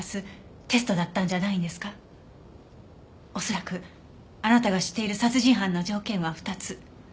恐らくあなたが知っている殺人犯の条件は２つ。